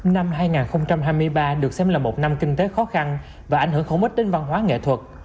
năm hai nghìn hai mươi ba được xem là một năm kinh tế khó khăn và ảnh hưởng không ít đến văn hóa nghệ thuật